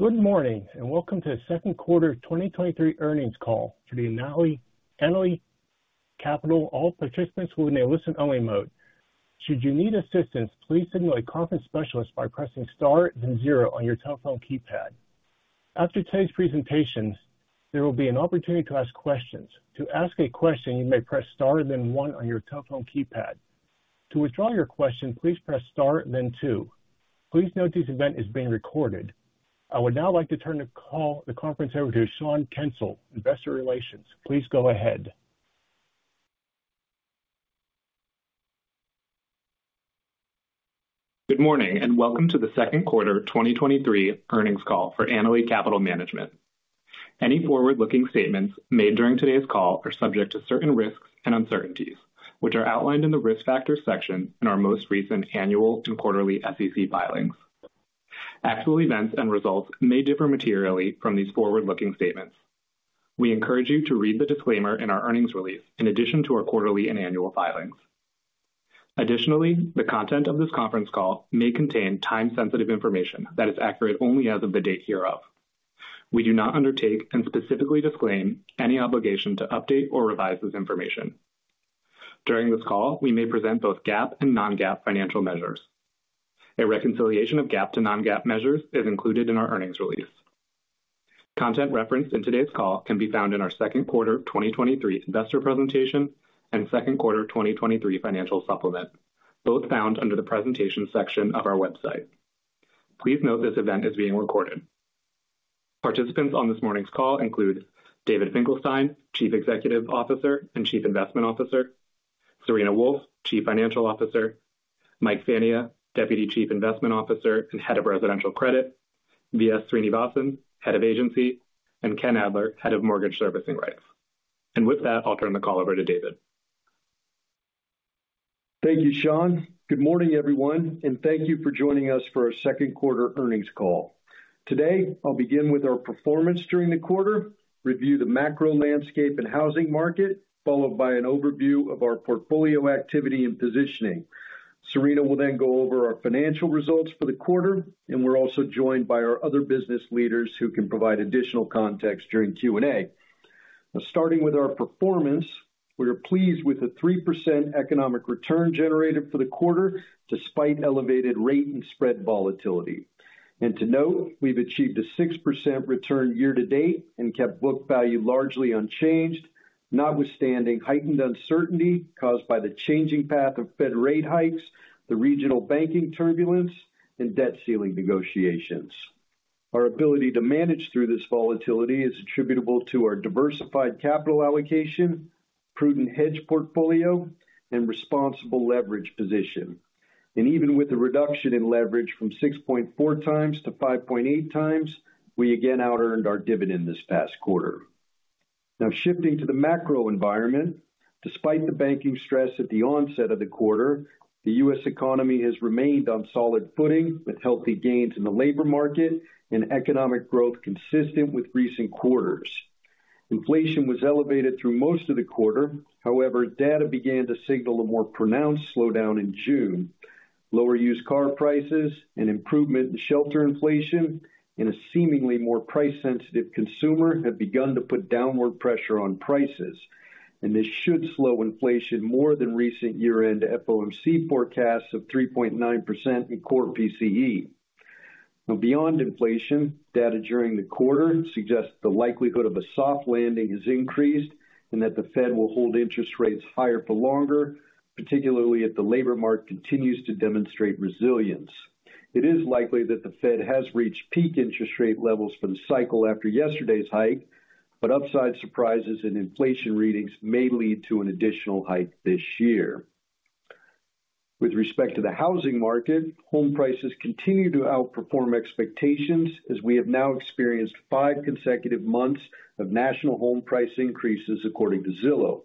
Good morning, welcome to the Second Quarter 2023 Earnings Call for the Annaly Capital. All participants will be in a listen-only mode. Should you need assistance, please signal a conference specialist by pressing star then zero on your telephone keypad. After today's presentation, there will be an opportunity to ask questions. To ask a question, you may press star then one on your telephone keypad. To withdraw your question, please press star then two. Please note this event is being recorded. I would now like to turn the conference over to Sean Kensil, Investor Relations. Please go ahead. Good morning, and welcome to the Second Quarter 2023 Earnings Call for Annaly Capital Management. Any forward-looking statements made during today's call are subject to certain risks and uncertainties, which are outlined in the Risk Factors section in our most recent annual and quarterly SEC filings. Actual events and results may differ materially from these forward-looking statements. We encourage you to read the disclaimer in our earnings release in addition to our quarterly and annual filings. Additionally, the content of this conference call may contain time-sensitive information that is accurate only as of the date hereof. We do not undertake and specifically disclaim any obligation to update or revise this information. During this call, we may present both GAAP and non-GAAP financial measures. A reconciliation of GAAP to non-GAAP measures is included in our earnings release. Content referenced in today's call can be found in our second quarter 2023 investor presentation and second quarter 2023 financial supplement, both found under the Presentation section of our website. Please note this event is being recorded. Participants on this morning's call include David Finkelstein, Chief Executive Officer and Chief Investment Officer, Serena Wolfe, Chief Financial Officer, Mike Fania, Deputy Chief Investment Officer and Head of Residential Credit, V.S. Srinivasan, Head of Agency, and Ken Adler, Head of Mortgage Servicing Rights. With that, I'll turn the call over to David. Thank you, Sean. Good morning, everyone, thank you for joining us for our second quarter earnings call. Today, I'll begin with our performance during the quarter, review the macro landscape and housing market, followed by an overview of our portfolio activity and positioning. Serena will go over our financial results for the quarter, we're also joined by our other business leaders who can provide additional context during Q&A. Starting with our performance, we are pleased with the 3% economic return generated for the quarter, despite elevated rate and spread volatility. To note, we've achieved a 6% return year to date and kept book value largely unchanged, notwithstanding heightened uncertainty caused by the changing path of Fed rate hikes, the regional banking turbulence, and debt ceiling negotiations. Our ability to manage through this volatility is attributable to our diversified capital allocation, prudent hedge portfolio, and responsible leverage position. Even with the reduction in leverage from 6.4x-5.8x, we again out earned our dividend this past quarter. Now, shifting to the macro environment, despite the banking stress at the onset of the quarter, the U.S. economy has remained on solid footing, with healthy gains in the labor market and economic growth consistent with recent quarters. Inflation was elevated through most of the quarter. However, data began to signal a more pronounced slowdown in June. Lower used car prices and improvement in shelter inflation and a seemingly more price-sensitive consumer have begun to put downward pressure on prices. This should slow inflation more than recent year-end FOMC forecasts of 3.9% in core PCE. Now, beyond inflation, data during the quarter suggests the likelihood of a soft landing has increased and that the Fed will hold interest rates higher for longer, particularly if the labor market continues to demonstrate resilience. It is likely that the Fed has reached peak interest rate levels for the cycle after yesterday's hike, but upside surprises in inflation readings may lead to an additional hike this year. With respect to the housing market, home prices continue to outperform expectations, as we have now experienced five consecutive months of national home price increases, according to Zillow.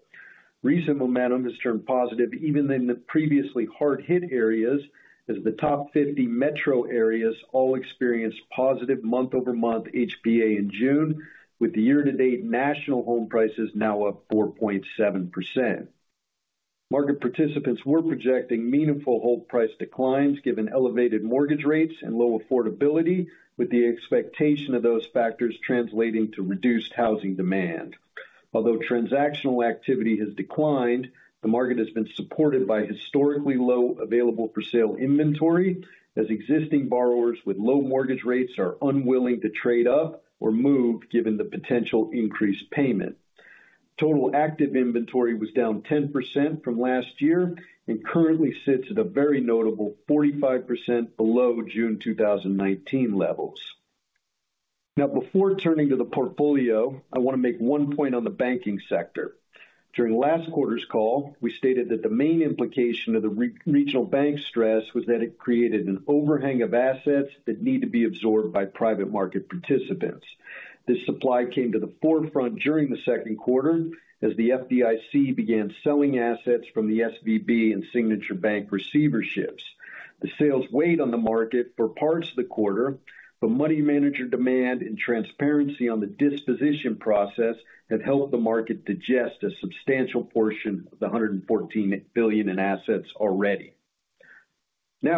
Recent momentum has turned positive even in the previously hard-hit areas, as the top 50 metro areas all experienced positive month-over-month HPA in June, with the year-to-date national home prices now up 4.7%. Market participants were projecting meaningful home price declines, given elevated mortgage rates and low affordability, with the expectation of those factors translating to reduced housing demand. Although transactional activity has declined, the market has been supported by historically low available for sale inventory, as existing borrowers with low mortgage rates are unwilling to trade up or move, given the potential increased payment. Total active inventory was down 10% from last year and currently sits at a very notable 45% below June 2019 levels. Now, before turning to the portfolio, I want to make one point on the banking sector. During last quarter's call, we stated that the main implication of the regional bank stress was that it created an overhang of assets that need to be absorbed by private market participants. This supply came to the forefront during the second quarter, as the FDIC began selling assets from the SVB and Signature Bank receiverships. The sales weighed on the market for parts of the quarter, but money manager demand and transparency on the disposition process have helped the market digest a substantial portion of the $114 billion in assets already. When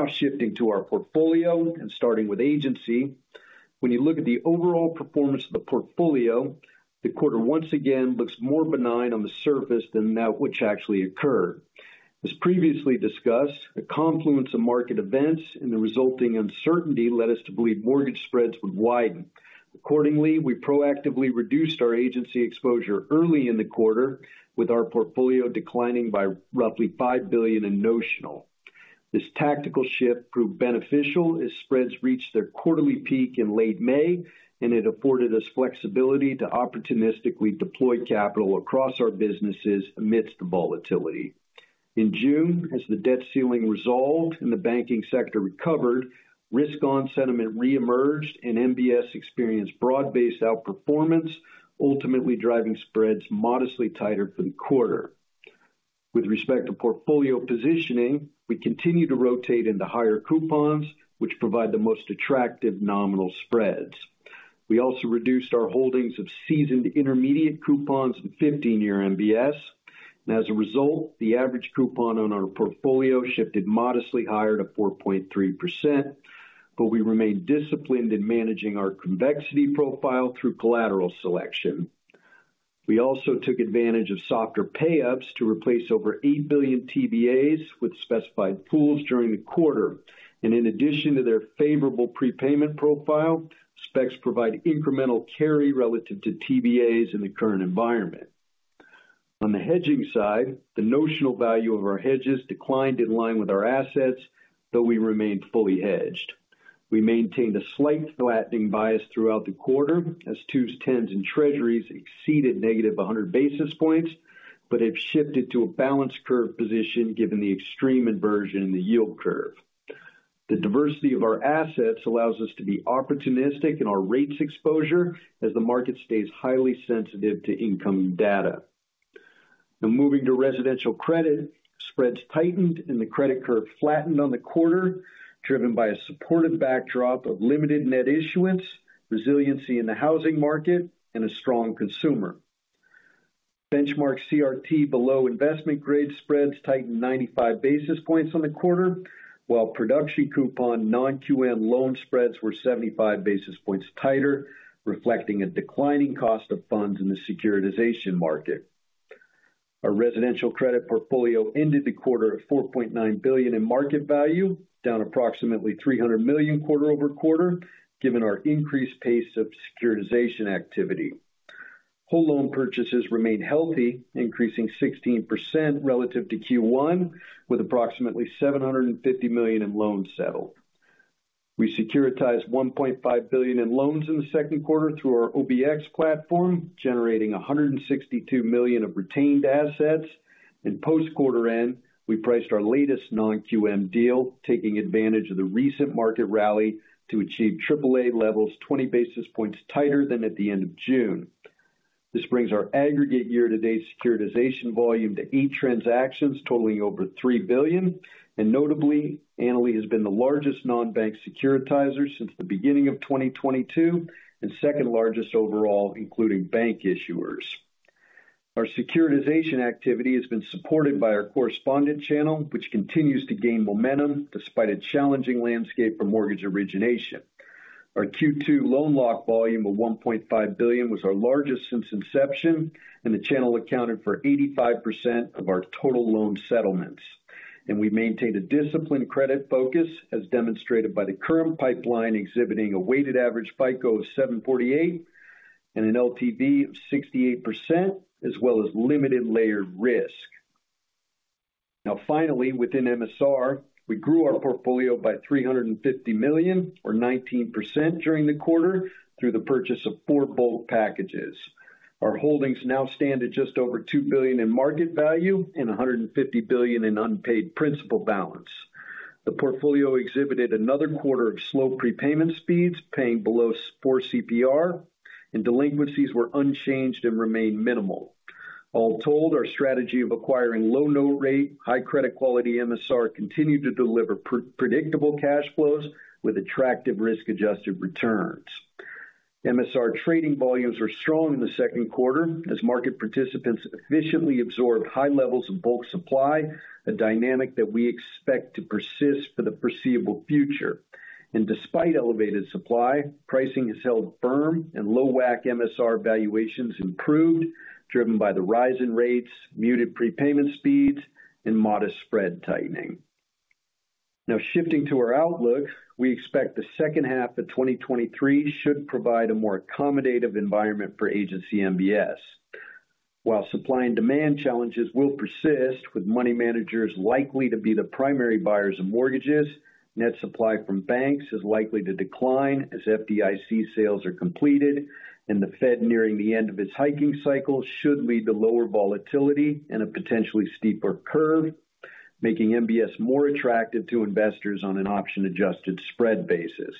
you look at the overall performance of the portfolio, the quarter once again looks more benign on the surface than that which actually occurred. As previously discussed, a confluence of market events and the resulting uncertainty led us to believe mortgage spreads would widen. Accordingly, we proactively reduced our agency exposure early in the quarter, with our portfolio declining by roughly $5 billion in notional. This tactical shift proved beneficial as spreads reached their quarterly peak in late May, and it afforded us flexibility to opportunistically deploy capital across our businesses amidst the volatility. In June, as the debt ceiling resolved and the banking sector recovered, risk-on sentiment reemerged and MBS experienced broad-based outperformance, ultimately driving spreads modestly tighter for the quarter. With respect to portfolio positioning, we continued to rotate into higher coupons, which provide the most attractive nominal spreads. We also reduced our holdings of seasoned intermediate coupons to 15-year MBS. As a result, the average coupon on our portfolio shifted modestly higher to 4.3%, but we remained disciplined in managing our convexity profile through collateral selection. We also took advantage of softer payups to replace over $8 billion TBAs with specified pools during the quarter. In addition to their favorable prepayment profile, specs provide incremental carry relative to TBAs in the current environment. On the hedging side, the notional value of our hedges declined in line with our assets, though we remained fully hedged. We maintained a slight flattening bias throughout the quarter, as twos, tens, and treasuries exceeded negative 100 basis points, but have shifted to a balanced curve position given the extreme inversion in the yield curve. The diversity of our assets allows us to be opportunistic in our rates exposure as the market stays highly sensitive to income data. Moving to residential credit, spreads tightened and the credit curve flattened on the quarter, driven by a supportive backdrop of limited net issuance, resiliency in the housing market, and a strong consumer. Benchmark CRT below investment grade spreads tightened 95 basis points on the quarter, while production coupon non-QM loan spreads were 75 basis points tighter, reflecting a declining cost of funds in the securitization market. Our residential credit portfolio ended the quarter at $4.9 billion in market value, down approximately $300 million quarter-over-quarter, given our increased pace of securitization activity. Whole loan purchases remained healthy, increasing 16% relative to Q1, with approximately $750 million in loans settled. We securitized $1.5 billion in loans in the second quarter through our OBX platform, generating $162 million of retained assets. In post-quarter end, we priced our latest non-QM deal, taking advantage of the recent market rally to achieve triple A levels, 20 basis points tighter than at the end of June. This brings our aggregate year-to-date securitization volume to 8 transactions, totaling over $3 billion. Notably, Annaly has been the largest non-bank securitizer since the beginning of 2022, and second largest overall, including bank issuers. Our securitization activity has been supported by our correspondent channel, which continues to gain momentum despite a challenging landscape for mortgage origination. Our Q2 loan lock volume of $1.5 billion was our largest since inception, and the channel accounted for 85% of our total loan settlements. We maintained a disciplined credit focus, as demonstrated by the current pipeline, exhibiting a weighted average FICO of 748 and an LTV of 68%, as well as limited layered risk. Now, finally, within MSR, we grew our portfolio by $350 million, or 19%, during the quarter through the purchase of 4 bulk packages. Our holdings now stand at just over $2 billion in market value and $150 billion in unpaid principal balance. The portfolio exhibited another quarter of slow prepayment speeds, paying below four CPR, and delinquencies were unchanged and remained minimal. All told, our strategy of acquiring low note rate, high credit quality MSR continued to deliver predictable cash flows with attractive risk-adjusted returns. MSR trading volumes were strong in the second quarter as market participants efficiently absorbed high levels of bulk supply, a dynamic that we expect to persist for the foreseeable future. Despite elevated supply, pricing has held firm and low WAC MSR valuations improved, driven by the rise in rates, muted prepayment speeds, and modest spread tightening. Shifting to our outlook, we expect the second half of 2023 should provide a more accommodative environment for agency MBS. While supply and demand challenges will persist, with money managers likely to be the primary buyers of mortgages, net supply from banks is likely to decline as FDIC sales are completed, the Fed nearing the end of its hiking cycle should lead to lower volatility and a potentially steeper curve, making MBS more attractive to investors on an option-adjusted spread basis.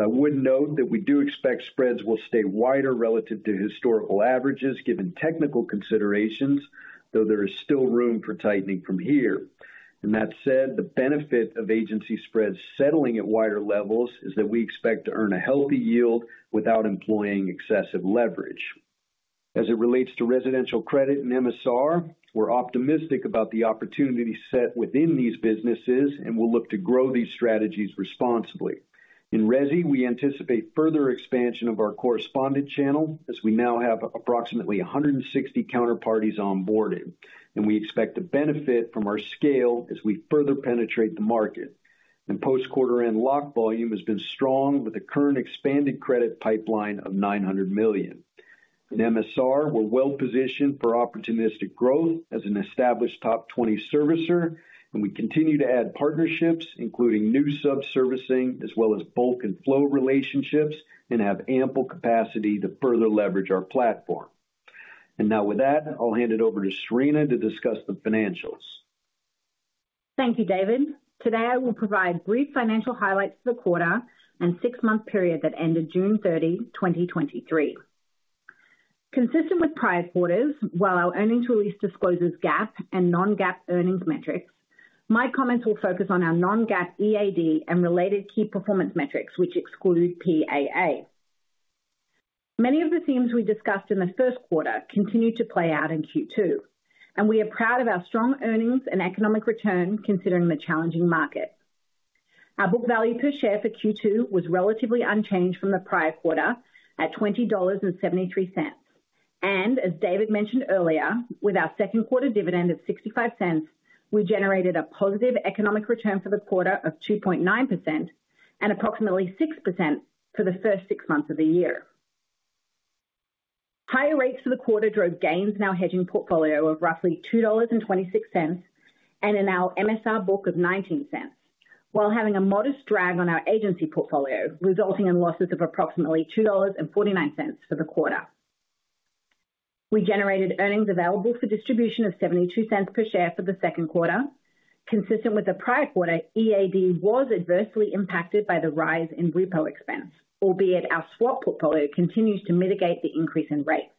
I would note that we do expect spreads will stay wider relative to historical averages, given technical considerations, though there is still room for tightening from here. That said, the benefit of agency spreads settling at wider levels is that we expect to earn a healthy yield without employing excessive leverage. As it relates to residential credit and MSR, we're optimistic about the opportunity set within these businesses, and we'll look to grow these strategies responsibly. In resi, we anticipate further expansion of our correspondent channel as we now have approximately 160 counterparties onboarding, and we expect to benefit from our scale as we further penetrate the market. Post-quarter end lock volume has been strong, with a current expanded credit pipeline of $900 million. In MSR, we're well positioned for opportunistic growth as an established top 20 servicer, and we continue to add partnerships, including new sub-servicing, as well as bulk and flow relationships, and have ample capacity to further leverage our platform. Now, with that, I'll hand it over to Serena to discuss the financials. Thank you, David. Today, I will provide brief financial highlights for the quarter and six-month period that ended June 30, 2023. Consistent with prior quarters, while our earnings release discloses GAAP and non-GAAP earnings metrics, my comments will focus on our non-GAAP EAD and related key performance metrics, which exclude PAA. Many of the themes we discussed in the first quarter continued to play out in Q2, we are proud of our strong earnings and economic return considering the challenging market. Our book value per share for Q2 was relatively unchanged from the prior quarter at $20.73. As David mentioned earlier, with our second quarter dividend of $0.65, we generated a positive economic return for the quarter of 2.9% and approximately 6% for the first six months of the year. Higher rates for the quarter drove gains in our hedging portfolio of roughly $2.26, and in our MSR book of $0.19, while having a modest drag on our agency portfolio, resulting in losses of approximately $2.49 for the quarter. We generated earnings available for distribution of $0.72 per share for the second quarter. Consistent with the prior quarter, EAD was adversely impacted by the rise in repo expense, albeit our swap portfolio continues to mitigate the increase in rates.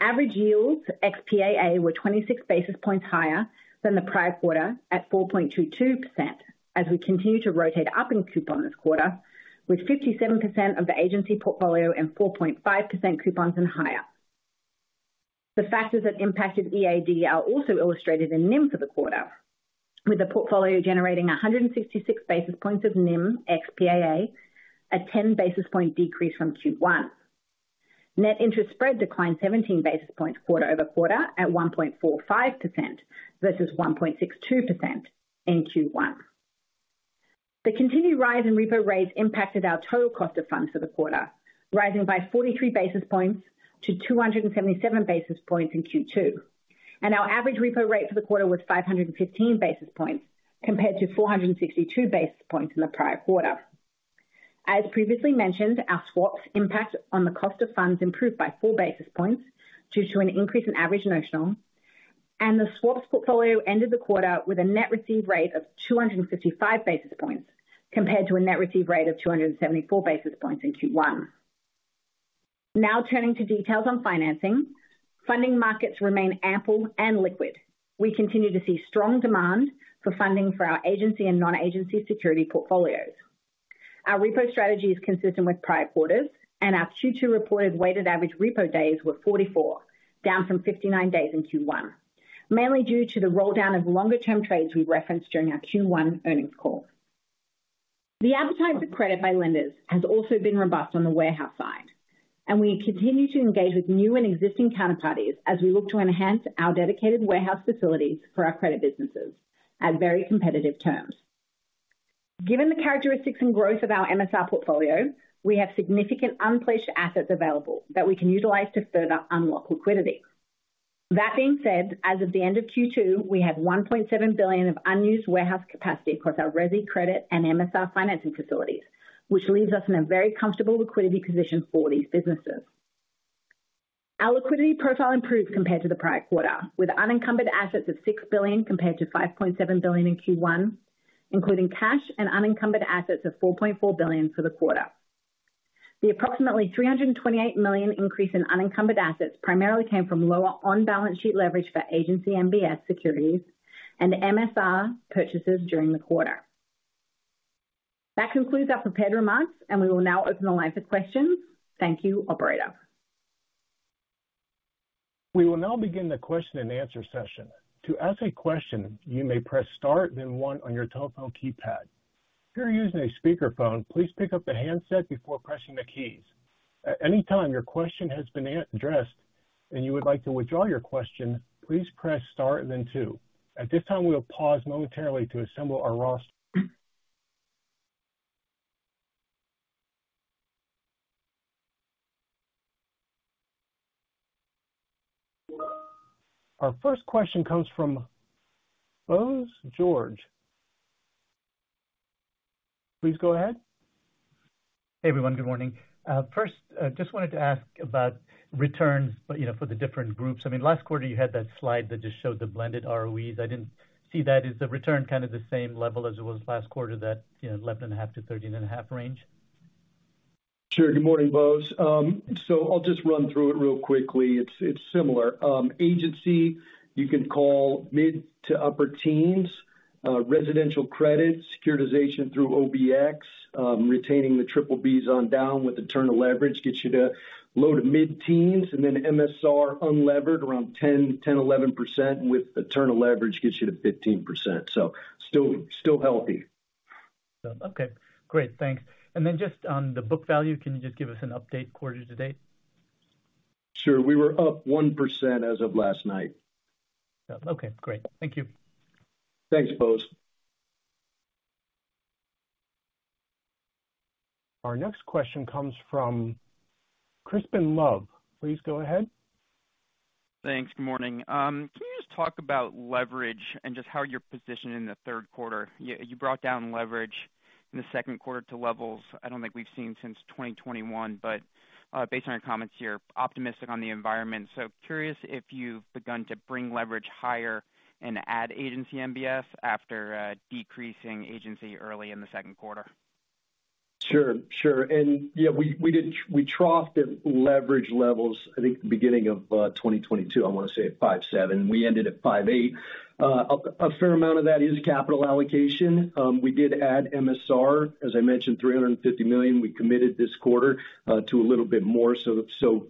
Average yields ex PAA were 26 basis points higher than the prior quarter, at 4.22%, as we continue to rotate up in coupon this quarter, with 57% of the agency portfolio and 4.5% coupons and higher. The factors that impacted EAD are also illustrated in NIM for the quarter, with the portfolio generating 166 basis points of NIM ex PAA, a 10 basis point decrease from Q1. Net interest spread declined 17 basis points quarter-over-quarter at 1.45% versus 1.62% in Q1. The continued rise in repo rates impacted our total cost of funds for the quarter, rising by 43 basis points to 277 basis points in Q2, and our average repo rate for the quarter was 515 basis points, compared to 462 basis points in the prior quarter. As previously mentioned, our swaps impact on the cost of funds improved by 4 basis points due to an increase in average notional, and the swaps portfolio ended the quarter with a net received rate of 255 basis points, compared to a net received rate of 274 basis points in Q1. Turning to details on financing. Funding markets remain ample and liquid. We continue to see strong demand for funding for our agency and non-agency security portfolios. Our repo strategy is consistent with prior quarters, and our Q2 reported weighted average repo days were 44, down from 59 days in Q1, mainly due to the roll down of longer-term trades we referenced during our Q1 earnings call. The appetite for credit by lenders has also been robust on the warehouse side, and we continue to engage with new and existing counterparties as we look to enhance our dedicated warehouse facilities for our credit businesses at very competitive terms. Given the characteristics and growth of our MSR portfolio, we have significant unplaced assets available that we can utilize to further unlock liquidity. That being said, as of the end of Q2, we had $1.7 billion of unused warehouse capacity across our resi credit and MSR financing facilities, which leaves us in a very comfortable liquidity position for these businesses. Our liquidity profile improved compared to the prior quarter, with unencumbered assets of $6 billion compared to $5.7 billion in Q1, including cash and unencumbered assets of $4.4 billion for the quarter. The approximately $328 million increase in unencumbered assets primarily came from lower on-balance sheet leverage for agency MBS securities and MSR purchases during the quarter. That concludes our prepared remarks, and we will now open the line for questions. Thank you, operator. We will now begin the question-and-answer session. To ask a question, you may press star, then one on your telephone keypad. If you're using a speakerphone, please pick up the handset before pressing the keys. At any time your question has been addressed and you would like to withdraw your question, please press star and then two. At this time, we will pause momentarily to assemble our roster. Our first question comes from Bose George. Please go ahead. Hey, everyone. Good morning. First, I just wanted to ask about returns, but, you know, for the different groups. I mean, last quarter you had that slide that just showed the blended ROEs. I didn't see that. Is the return kind of the same level as it was last quarter, that, you know, 11.5%-13.5% range? Sure. Good morning, Bose. I'll just run through it real quickly. It's similar. agency, you can call mid to upper teens. ... residential credit securitization through OBX, retaining the triple Bs on down with internal leverage gets you to low to mid-teens, and then MSR unlevered around 10-11%, with internal leverage gets you to 15%. Still healthy. Okay, great. Thanks. Then just on the book value, can you just give us an update quarter to date? Sure. We were up 1% as of last night. Okay, great. Thank you. Thanks, Bose. Our next question comes from Crispin Love. Please go ahead. Thanks. Good morning. Can you just talk about leverage and just how you're positioned in the third quarter? You brought down leverage in the second quarter to levels I don't think we've seen since 2021. Based on your comments, you're optimistic on the environment. Curious if you've begun to bring leverage higher and add agency MBS after decreasing agency early in the second quarter. Sure, sure. Yeah, we troughed at leverage levels, I think, the beginning of 2022. I want to say at 5.7, we ended at 5.8. A fair amount of that is capital allocation. We did add MSR, as I mentioned, $350 million. We committed this quarter to a little bit more.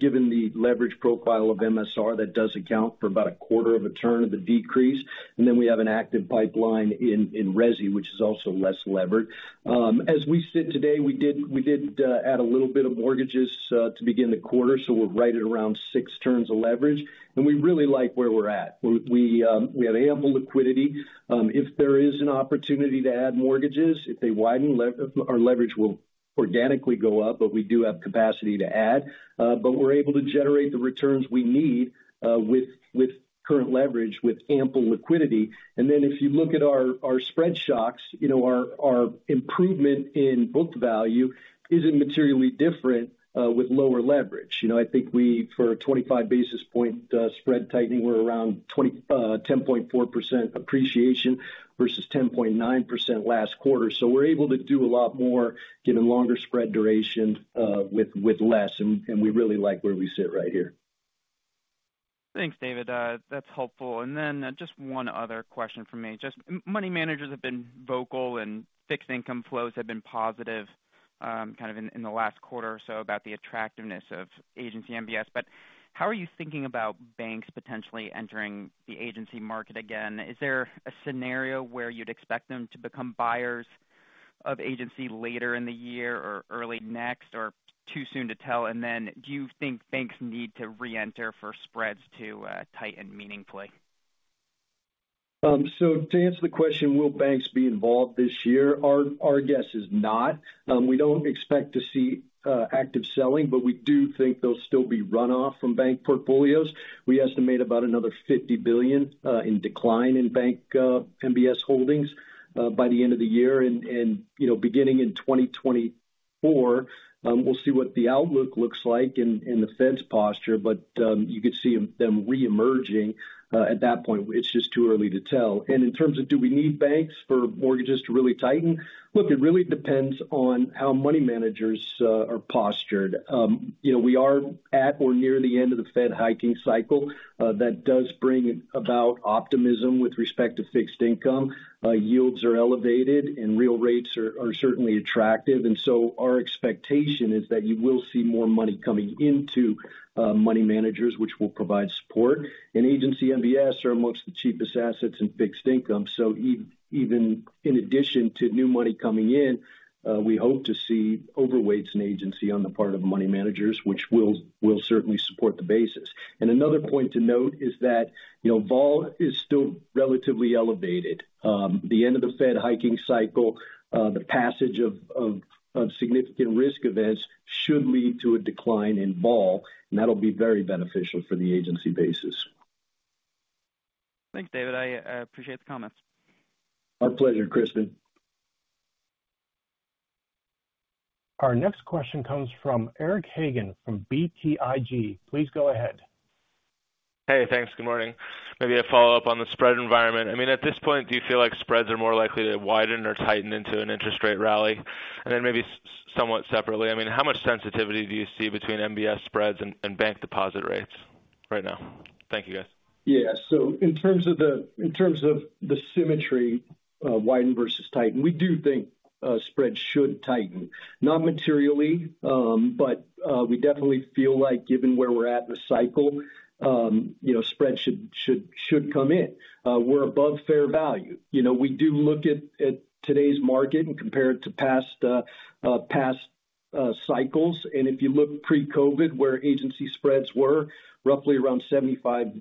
Given the leverage profile of MSR, that does account for about a quarter of a turn of the decrease. We have an active pipeline in resi, which is also less levered. As we sit today, we did add a little bit of mortgages to begin the quarter, we're right at around six turns of leverage, and we really like where we're at. We have ample liquidity. If there is an opportunity to add mortgages, if they widen, our leverage will organically go up, but we do have capacity to add. We're able to generate the returns we need, with current leverage, with ample liquidity. If you look at our, our spread shocks, you know, our, our improvement in book value isn't materially different, with lower leverage. You know, I think we, for a 25 basis point, spread tightening, we're around 10.4% appreciation versus 10.9% last quarter. We're able to do a lot more, given longer spread duration, with less, and we really like where we sit right here. Thanks, David. That's helpful. Just one other question from me. Just money managers have been vocal and fixed income flows have been positive, kind of in the last quarter or so about the attractiveness of agency MBS. How are you thinking about banks potentially entering the agency market again? Is there a scenario where you'd expect them to become buyers of agency later in the year or early next, or too soon to tell? Do you think banks need to reenter for spreads to tighten meaningfully? To answer the question, will banks be involved this year? Our guess is not. We don't expect to see active selling, but we do think they'll still be run off from bank portfolios. We estimate about another $50 billion in decline in bank MBS holdings by the end of the year. You know, beginning in 2024, we'll see what the outlook looks like and the Fed's posture, but you could see them reemerging at that point. It's just too early to tell. In terms of do we need banks for mortgages to really tighten? Look, it really depends on how money managers are postured. You know, we are at or near the end of the Fed hiking cycle. That does bring about optimism with respect to fixed income. Yields are elevated and real rates are certainly attractive. Our expectation is that you will see more money coming into money managers, which will provide support. Agency MBS are amongst the cheapest assets in fixed income. Even in addition to new money coming in, we hope to see overweights in agency on the part of money managers, which will certainly support the basis. Another point to note is that, you know, vol is still relatively elevated. The end of the Fed hiking cycle, the passage of significant risk events should lead to a decline in vol, and that'll be very beneficial for the agency basis. Thanks, David. I appreciate the comments. Our pleasure, Crispin. Our next question comes from Eric Hagen from BTIG. Please go ahead. Hey, thanks. Good morning. Maybe a follow-up on the spread environment. I mean, at this point, do you feel like spreads are more likely to widen or tighten into an interest rate rally? Maybe somewhat separately, I mean, how much sensitivity do you see between MBS spreads and bank deposit rates right now? Thank you, guys. In terms of the, in terms of the symmetry, widen versus tighten, we do think spreads should tighten. Not materially, but we definitely feel like given where we're at in the cycle, you know, spreads should come in. We're above fair value. You know, we do look at today's market and compare it to past, past cycles. If you look pre-COVID, where agency spreads were roughly around 75 bps,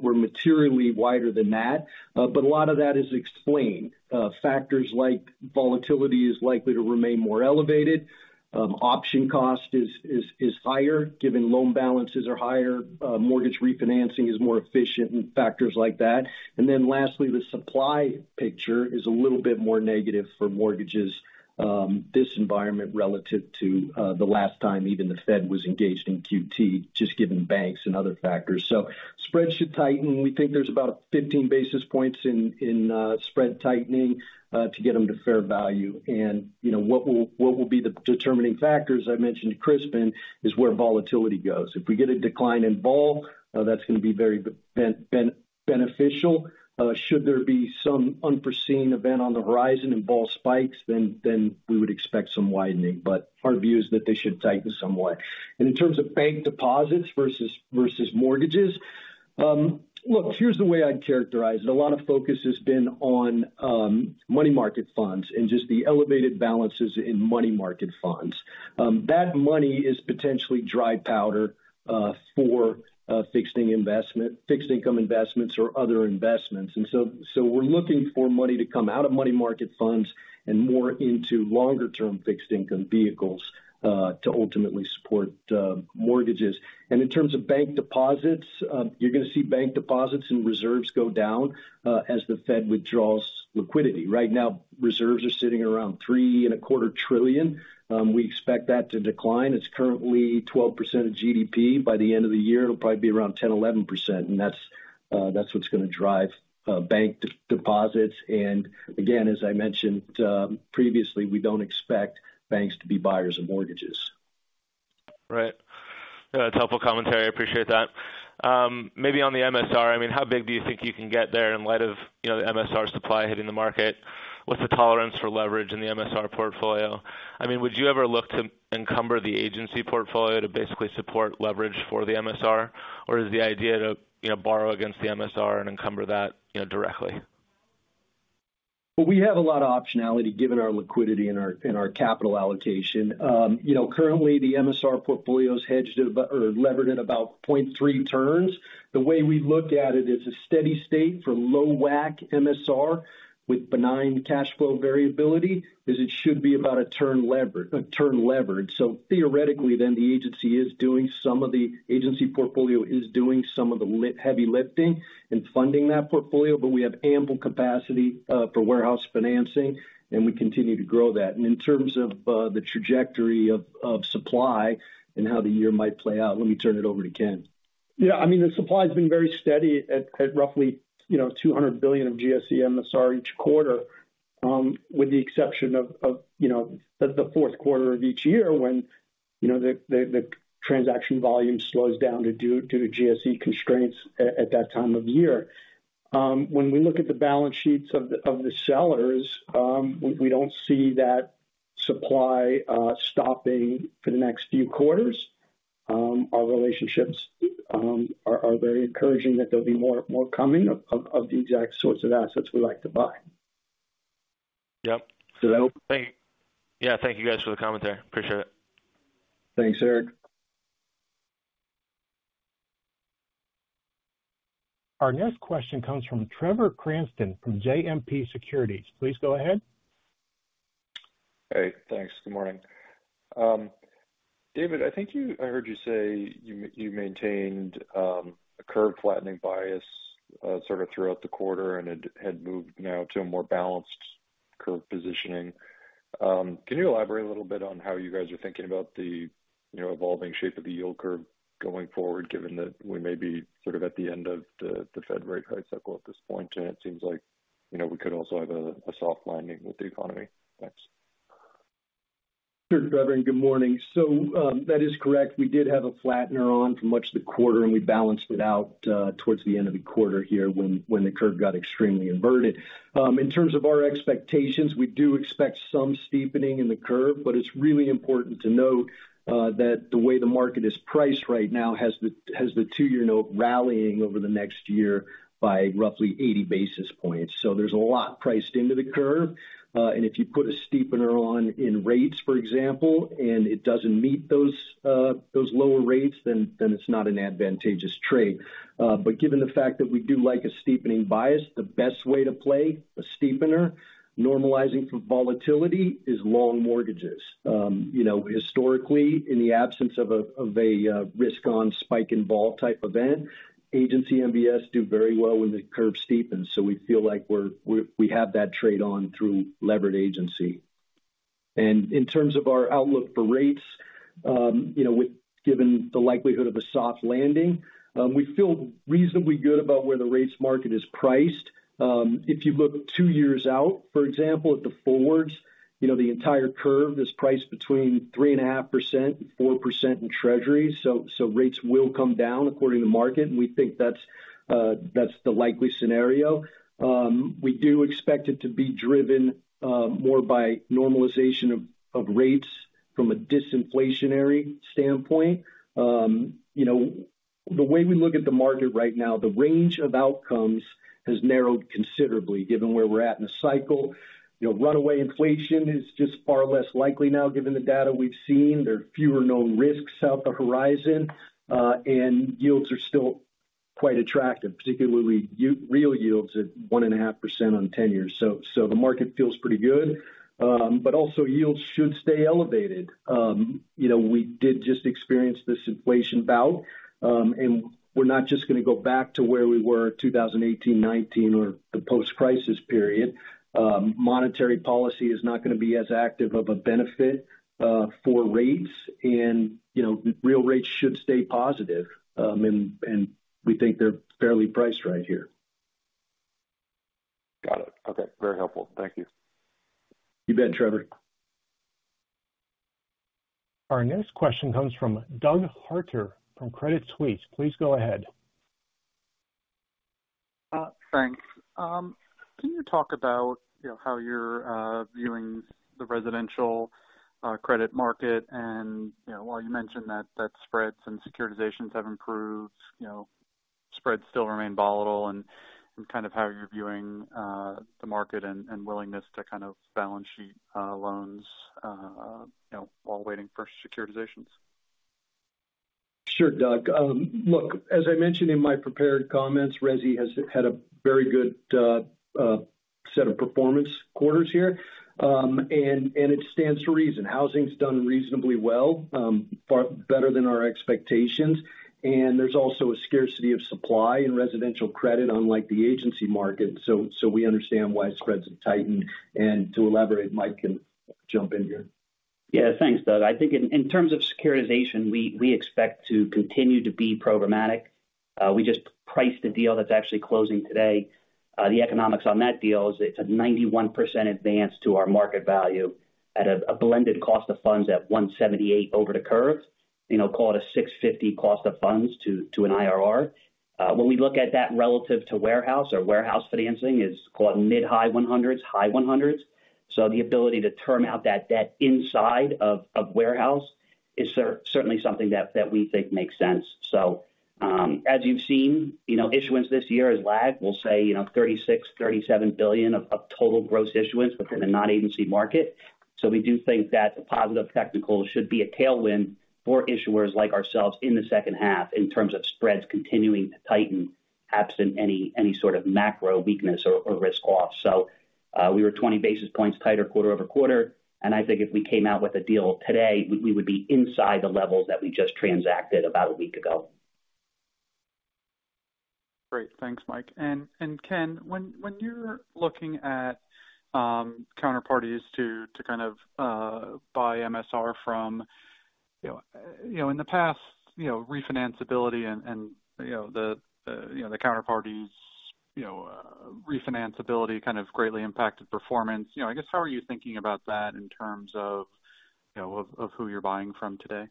we're materially wider than that. A lot of that is explained. Factors like volatility is likely to remain more elevated, option cost is higher, given loan balances are higher, mortgage refinancing is more efficient and factors like that. Lastly, the supply picture is a little bit more negative for mortgages, this environment relative to the last time even the Fed was engaged in QT, just given banks and other factors. Spreads should tighten. We think there's about 15 basis points in spread tightening to get them to fair value. You know, what will be the determining factors I mentioned to Crispin, is where volatility goes. If we get a decline in vol, that's gonna be very beneficial. Should there be some unforeseen event on the horizon and vol spikes, then we would expect some widening. Our view is that they should tighten somewhat. In terms of bank deposits versus mortgages. Look, here's the way I'd characterize it. A lot of focus has been on money market funds and just the elevated balances in money market funds. That money is potentially dry powder for fixed income investments or other investments. We're looking for money to come out of money market funds and more into longer-term fixed income vehicles to ultimately support mortgages. In terms of bank deposits, you're going to see bank deposits and reserves go down as the Fed withdraws liquidity. Right now, reserves are sitting around three and a quarter trillion. We expect that to decline. It's currently 12% of GDP. By the end of the year, it'll probably be around 10%, 11%, and that's what's going to drive bank deposits. Again, as I mentioned, previously, we don't expect banks to be buyers of mortgages. Right. Yeah, that's helpful commentary. I appreciate that. Maybe on the MSR, I mean, how big do you think you can get there in light of, you know, the MSR supply hitting the market? What's the tolerance for leverage in the MSR portfolio? I mean, would you ever look to encumber the agency portfolio to basically support leverage for the MSR? Or is the idea to, you know, borrow against the MSR and encumber that, you know, directly? Well, we have a lot of optionality given our liquidity and our and our capital allocation. you know, currently, the MSR portfolio is levered at about 0.3 turns. The way we look at it is a steady state for low WAC MSR, with benign cash flow variability, is it should be about a turn levered. Theoretically, then, the agency portfolio is doing some of the heavy lifting in funding that portfolio, but we have ample capacity for warehouse financing, we continue to grow that. In terms of the trajectory of supply and how the year might play out, let me turn it over to Ken. Yeah, I mean, the supply has been very steady at roughly, you know, $200 billion of GSE MSR each quarter, with the exception of, you know, the fourth quarter of each year, when, you know, the transaction volume slows down due to GSE constraints at that time of year. When we look at the balance sheets of the sellers, we don't see that supply stopping for the next few quarters. Our relationships are very encouraging that there'll be more coming of the exact sorts of assets we like to buy. Yep. That. Thank you. Yeah, thank you guys for the commentary. Appreciate it. Thanks, Eric. Our next question comes from Trevor Cranston from JMP Securities. Please go ahead. Thanks. Good morning. David, I think I heard you say you maintained a curve flattening bias sort of throughout the quarter and had moved now to a more balanced curve positioning. Can you elaborate a little bit on how you guys are thinking about the, you know, evolving shape of the yield curve going forward, given that we may be sort of at the end of the Fed rate hike cycle at this point, and it seems like, you know, we could also have a soft landing with the economy? Thanks. Sure, Trevor, and good morning. That is correct. We did have a flattener on for much of the quarter, and we balanced it out towards the end of the quarter here when the curve got extremely inverted. In terms of our expectations, we do expect some steepening in the curve, but it's really important to note that the way the market is priced right now has the two-year note rallying over the next year by roughly 80 basis points. There's a lot priced into the curve. If you put a steepener on in rates, for example, and it doesn't meet those lower rates, then it's not an advantageous trade. Given the fact that we do like a steepening bias, the best way to play a steepener, normalizing for volatility, is long mortgages. You know, historically, in the absence of a risk on spike in vol type event, agency MBS do very well when the curve steepens, so we feel like we have that trade on through levered agency. In terms of our outlook for rates, you know, given the likelihood of a soft landing, we feel reasonably good about where the rates market is priced. If you look two years out, for example, at the forwards, you know, the entire curve is priced between 3.5% and 4% in Treasury. Rates will come down according to market, and we think that's the likely scenario. We do expect it to be driven more by normalization of rates from a disinflationary standpoint. You know, the way we look at the market right now, the range of outcomes has narrowed considerably, given where we're at in the cycle. You know, runaway inflation is just far less likely now, given the data we've seen. There are fewer known risks out the horizon, and yields are still quite attractive, particularly real yields at 1.5% on 10 years. The market feels pretty good, but also yields should stay elevated. You know, we did just experience this inflation bout, and we're not just going to go back to where we were in 2018, 2019, or the post-crisis period. Monetary policy is not going to be as active of a benefit for rates, and, you know, real rates should stay positive. And we think they're fairly priced right here. Got it. Okay. Very helpful. Thank you. You bet, Trevor. Our next question comes from Douglas Harter from Credit Suisse. Please go ahead. Thanks. Can you talk about, you know, how you're viewing the residential credit market? You know, while you mentioned that spreads and securitizations have improved, you know, spreads still remain volatile, and kind of how you're viewing the market and willingness to kind of balance sheet loans, you know, while waiting for securitizations. Sure, Doug. Look, as I mentioned in my prepared comments, resi has had a very good, set of performance quarters here. It stands to reason. Housing's done reasonably well, far better than our expectations. There's also a scarcity of supply in residential credit, unlike the agency market. We understand why spreads have tightened. To elaborate, Mike can jump in here. Yeah. Thanks, Doug. I think in, in terms of securitization, we expect to continue to be programmatic. We just priced a deal that's actually closing today. The economics on that deal is it's a 91% advance to our market value at a blended cost of funds at 178 over the curve. You know, call it a 650 cost of funds to an IRR. When we look at that relative to warehouse or warehouse financing is called mid-high 100s, high 100s. The ability to term out that debt inside of warehouse is certainly something that we think makes sense. As you've seen, you know, issuance this year has lagged. We'll say, you know, $36 billion-$37 billion of total gross issuance within the non-agency market. We do think that the positive technical should be a tailwind for issuers like ourselves in the second half, in terms of spreads continuing to tighten, absent any sort of macro weakness or risk off. We were 20 basis points tighter quarter-over-quarter, and I think if we came out with a deal today, we would be inside the levels that we just transacted about a week ago. Great. Thanks, Mike. Ken, when you're looking at counterparties to kind of buy MSR from, you know, you know, in the past, you know, refinance ability and, you know, the, you know, the counterparties, you know, refinance ability kind of greatly impacted performance. You know, I guess, how are you thinking about that in terms of, you know, of who you're buying from today?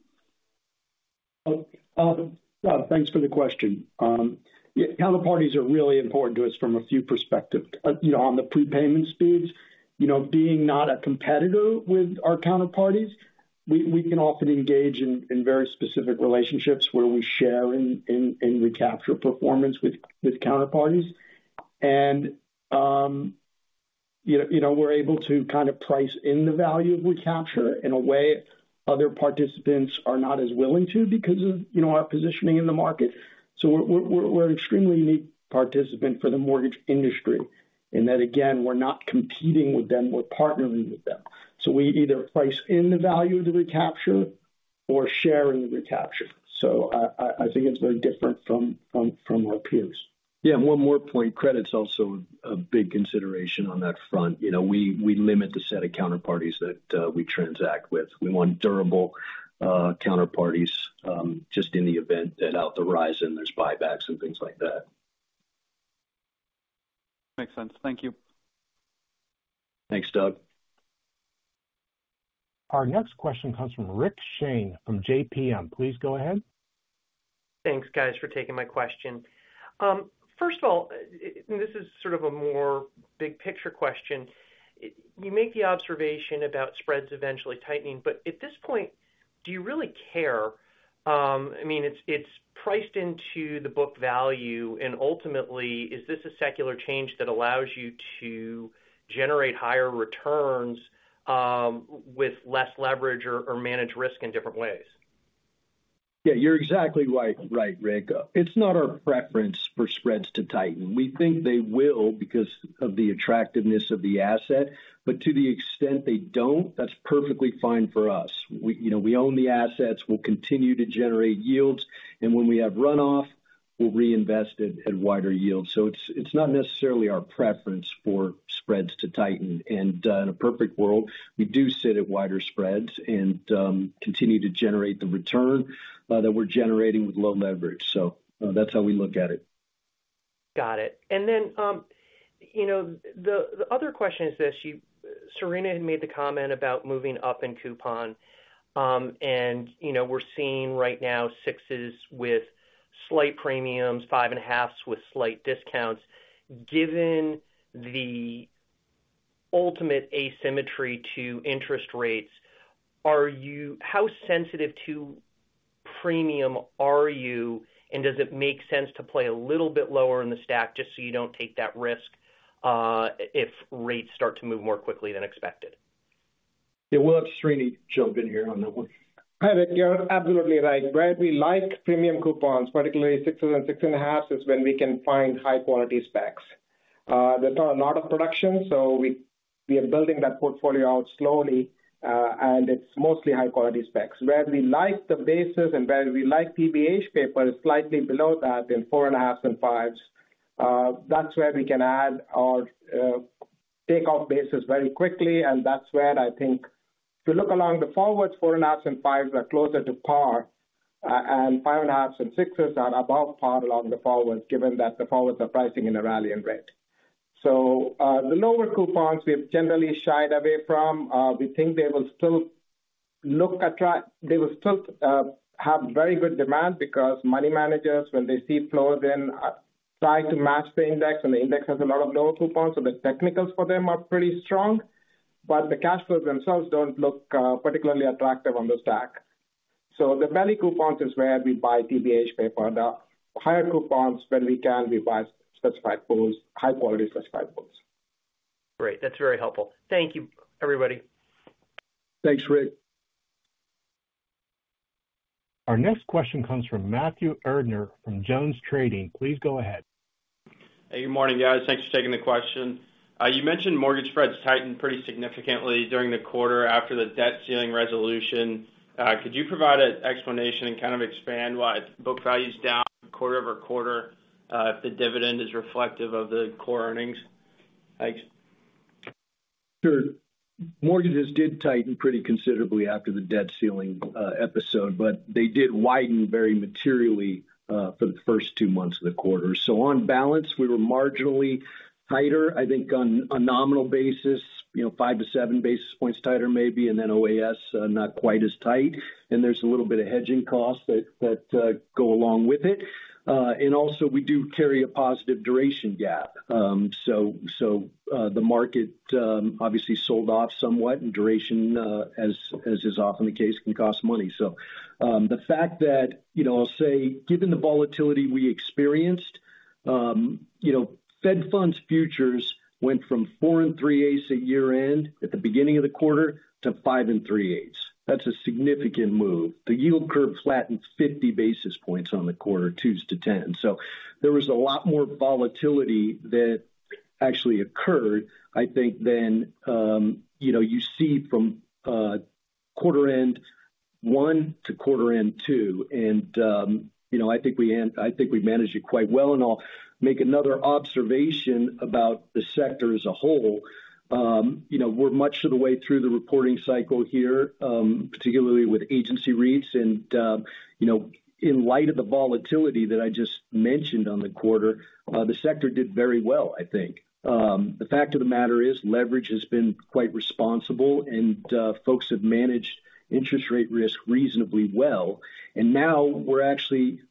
Doug, thanks for the question. Yeah, counterparties are really important to us from a few perspectives. You know, on the prepayment speeds, you know, being not a competitor with our counterparties, we can often engage in very specific relationships where we share in recapture performance with counterparties. You know, we're able to kind of price in the value of recapture in a way other participants are not as willing to because of, you know, our positioning in the market. We're extremely unique participant for the mortgage industry, in that, again, we're not competing with them, we're partnering with them. We either price in the value of the recapture or share in the recapture. I think it's very different from our peers. Yeah, one more point. Credit's also a big consideration on that front. You know, we, we limit the set of counterparties that we transact with. We want durable counterparties, just in the event that out the horizon, there's buybacks and things like that. Makes sense. Thank you. Thanks, Doug. Our next question comes from Rick Shane from JPM. Please go ahead. Thanks, guys, for taking my question. First of all, this is sort of a more big picture question. You make the observation about spreads eventually tightening, but at this point, do you really care? I mean, it's priced into the book value, and ultimately, is this a secular change that allows you to generate higher returns with less leverage or manage risk in different ways? Yeah, you're exactly right, Rick. It's not our preference for spreads to tighten. We think they will because of the attractiveness of the asset, but to the extent they don't, that's perfectly fine for us. We, you know, we own the assets, we'll continue to generate yields, when we have runoff, we'll reinvest at wider yields. It's not necessarily our preference for spreads to tighten. In a perfect world, we do sit at wider spreads and continue to generate the return that we're generating with low leverage. That's how we look at it. Got it. You know, the, the other question is this: Srini had made the comment about moving up in coupon. You know, we're seeing right now 6s with slight premiums, 5.5s with slight discounts. Given the ultimate asymmetry to interest rates, how sensitive to premium are you? Does it make sense to play a little bit lower in the stack, just so you don't take that risk, if rates start to move more quickly than expected? Yeah. We'll have Srini jump in here on that one. Hi, Rick. You're absolutely right. Right, we like premium coupons, particularly 6s and 6.5s, is when we can find high-quality specs. There are a lot of production, so we are building that portfolio out slowly, and it's mostly high-quality specs. Where we like the bases and where we like PBH paper, slightly below that in 4.5s and 5s, that's where we can add or take off bases very quickly. That's where I think if you look along the forwards, 4.5s and 5s are closer to par, and 5.5s and 6s are above par along the forwards, given that the forwards are pricing in a rally in Fed.... The lower coupons we've generally shied away from. We think they will still have very good demand because money managers, when they see flows in, try to match the index, and the index has a lot of lower coupons. The technicals for them are pretty strong, but the cash flows themselves don't look particularly attractive on the stack. The value coupons is where we buy PBH paper, and higher coupons, when we can, we buy specified pools, high-quality specified pools. Great, that's very helpful. Thank you, everybody. Thanks, Rick. Our next question comes from Matthew Erdner from Jones Trading. Please go ahead. Hey, good morning, guys. Thanks for taking the question. You mentioned mortgage spreads tightened pretty significantly during the quarter after the debt ceiling resolution. Could you provide an explanation and kind of expand why book value's down quarter-over-quarter, if the dividend is reflective of the core earnings? Thanks. Sure. Mortgages did tighten pretty considerably after the debt ceiling episode, but they did widen very materially for the first two months of the quarter. On balance, we were marginally tighter, I think on a nominal basis, you know, 5-7 basis points tighter maybe, and then OAS not quite as tight. There's a little bit of hedging costs that go along with it. Also, we do carry a positive duration gap. So the market obviously sold off somewhat and duration, as is often the case, can cost money. The fact that, you know, I'll say, given the volatility we experienced, you know, Fed Funds Futures went from four and 3/8 at year-end, at the beginning of the quarter, to five and 3/8. That's a significant move. The yield curve flattened 50 basis points on the quarter, twos to ten. There was a lot more volatility that actually occurred, I think, than, you know, you see from quarter end one to quarter end two. you know, I think we managed it quite well. I'll make another observation about the sector as a whole. you know, we're much of the way through the reporting cycle here, particularly with agency REITs. you know, in light of the volatility that I just mentioned on the quarter, the sector did very well, I think. The fact of the matter is, leverage has been quite responsible and folks have managed interest rate risk reasonably well. Now we're actually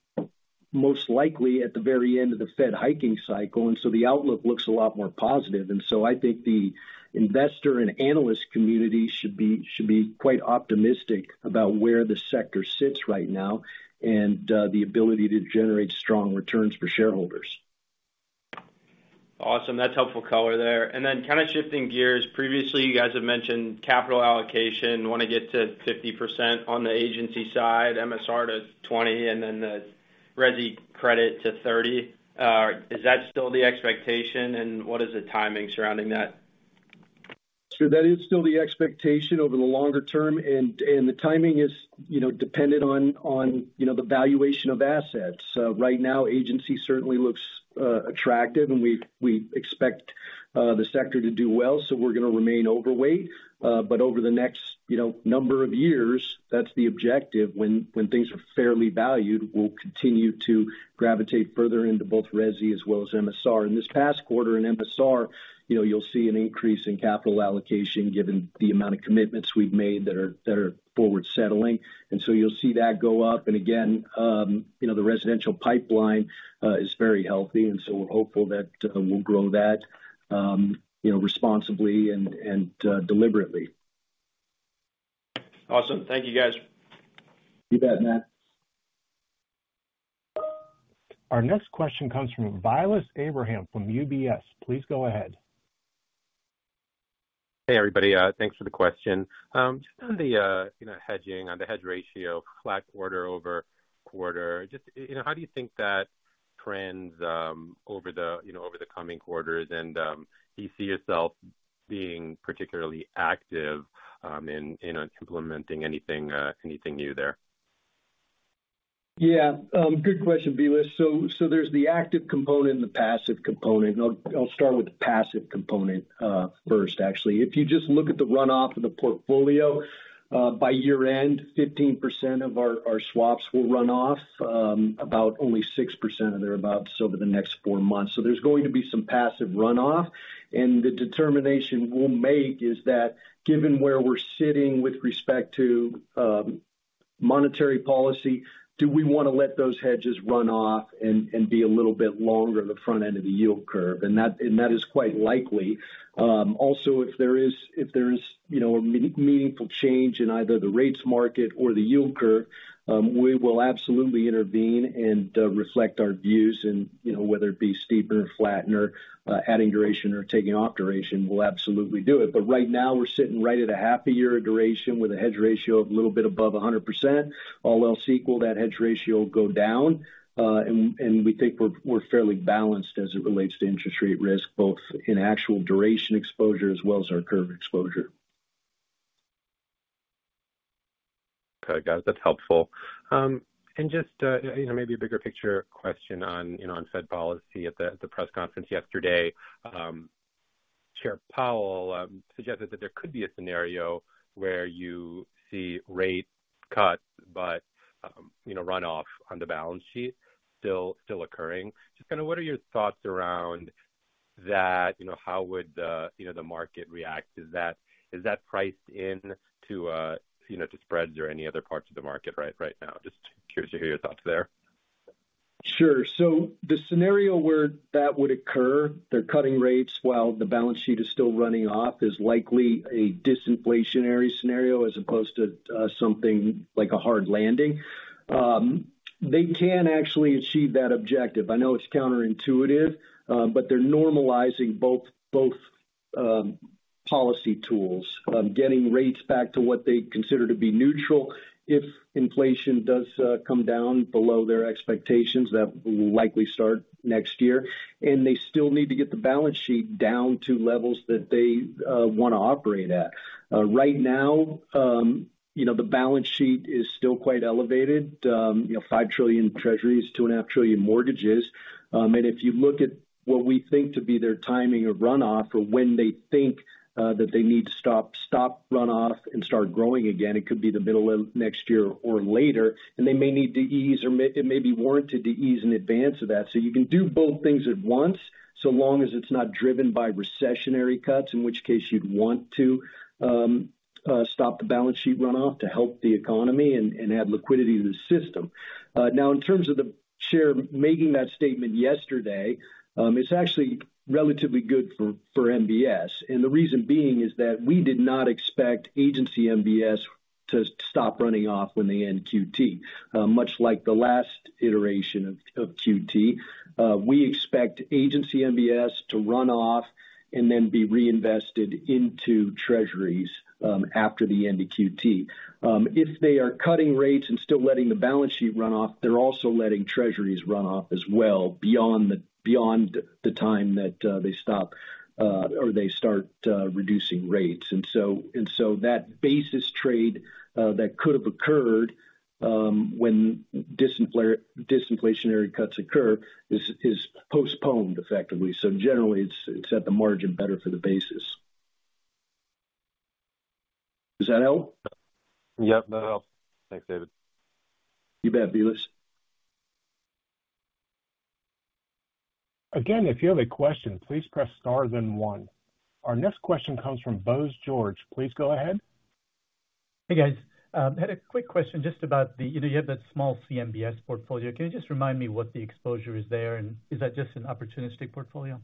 most likely at the very end of the Fed hiking cycle. The outlook looks a lot more positive. I think the investor and analyst community should be quite optimistic about where the sector sits right now and the ability to generate strong returns for shareholders. Awesome. That's helpful color there. Kind of shifting gears. Previously, you guys have mentioned capital allocation, want to get to 50% on the agency side, MSR to 20%, and the resi credit to 30%. Is that still the expectation? What is the timing surrounding that? That is still the expectation over the longer term, and, and the timing is, you know, dependent on, on, you know, the valuation of assets. Right now, agency certainly looks attractive, and we, we expect the sector to do well, so we're going to remain overweight. Over the next, you know, number of years, that's the objective. When, when things are fairly valued, we'll continue to gravitate further into both resi as well as MSR. In this past quarter in MSR, you know, you'll see an increase in capital allocation, given the amount of commitments we've made that are, that are forward settling. You'll see that go up, and again, you know, the residential pipeline is very healthy, and so we're hopeful that we'll grow that, you know, responsibly and, and deliberately. Awesome. Thank you, guys. You bet, Matt. Our next question comes from Vilas Abraham from UBS. Please go ahead. Hey, everybody, thanks for the question. Just on the, you know, hedging, on the hedge ratio, flat quarter-over-quarter. Just, you know, how do you think that trends over the, you know, over the coming quarters? Do you see yourself being particularly active in implementing anything new there? Yeah, good question, Vilas. There's the active component and the passive component. I'll start with the passive component first, actually. If you just look at the runoff of the portfolio by year-end, 15% of our swaps will run off, about only 6% of theirabouts over the next four months. There's going to be some passive runoff. The determination we'll make is that, given where we're sitting with respect to monetary policy, do we want to let those hedges run off and be a little bit longer in the front end of the yield curve? That is quite likely. Also, if there is, you know, a meaningful change in either the rates market or the yield curve, we will absolutely intervene and reflect our views. You know, whether it be steeper, flatten or, adding duration or taking off duration, we'll absolutely do it. Right now we're sitting right at a half a year duration with a hedge ratio of a little bit above 100%. All else equal, that hedge ratio will go down. And, and we think we're, we're fairly balanced as it relates to interest rate risk, both in actual duration exposure as well as our curve exposure. Okay, guys, that's helpful. Just, you know, maybe a bigger picture question on, you know, on Fed policy at the, the press conference yesterday. Chair Powell suggested that there could be a scenario where you see rate cuts, but, you know, run off on the balance sheet still occurring. Just kind of what are your thoughts around that? You know, how would the, you know, the market react? Is that priced in to, you know, to spreads or any other parts of the market right now? Just curious to hear your thoughts there. Sure. The scenario where that would occur, they're cutting rates while the balance sheet is still running off, is likely a disinflationary scenario as opposed to something like a hard landing. They can actually achieve that objective. I know it's counterintuitive, but they're normalizing both policy tools, getting rates back to what they consider to be neutral. If inflation does come down below their expectations, that will likely start next year. They still need to get the balance sheet down to levels that they want to operate at. Right now, you know, the balance sheet is still quite elevated. You know, $5 trillion treasuries, $2.5 trillion mortgages. If you look at what we think to be their timing of runoff, or when they think that they need to stop runoff and start growing again, it could be the middle of next year or later, and they may need to ease, or it may be warranted to ease in advance of that. You can do both things at once, so long as it's not driven by recessionary cuts, in which case you'd want to stop the balance sheet runoff to help the economy and add liquidity to the system. Now, in terms of the chair making that statement yesterday, it's actually relatively good for MBS. The reason being is that we did not expect agency MBS to stop running off when they end QT. Much like the last iteration of QT, we expect agency MBS to run off and then be reinvested into treasuries after the end of QT. If they are cutting rates and still letting the balance sheet run off, they're also letting treasuries run off as well beyond the time that they stop or they start reducing rates. That basis trade that could have occurred when disinflationary cuts occur is postponed effectively. Generally it's at the margin better for the basis. Does that help? Yep, that helps. Thanks, David. You bet, Vilas. If you have a question, please press star then one. Our next question comes from Bose George. Please go ahead. Hey, guys. Had a quick question just about you know, you have that small CMBS portfolio. Can you just remind me what the exposure is there, and is that just an opportunistic portfolio?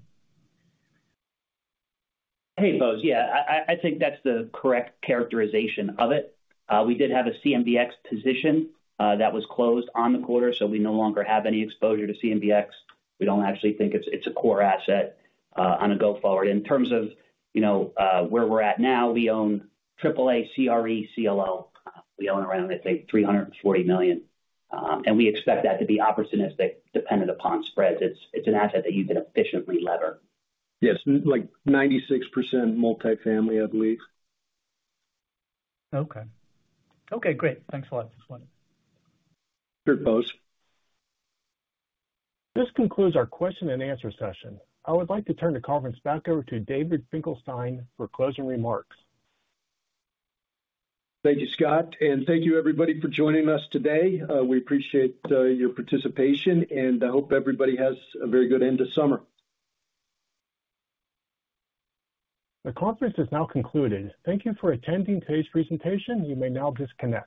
Hey, Bose. Yeah, I think that's the correct characterization of it. We did have a CMBX position that was closed on the quarter, so we no longer have any exposure to CMBX. We don't actually think it's a core asset on a go-forward. In terms of, you know, where we're at now, we own triple A, CRE, CLO. We own around, I'd say, $340 million, and we expect that to be opportunistic, dependent upon spreads. It's an asset that you can efficiently lever. Yes, like 96% multifamily, I believe. Okay, great. Thanks a lot for explaining. Sure, Bose. This concludes our question and answer session. I would like to turn the conference back over to David Finkelstein for closing remarks. Thank you, Scott, and thank you everybody for joining us today. We appreciate your participation, and I hope everybody has a very good end of summer. The conference is now concluded. Thank you for attending today's presentation. You may now disconnect.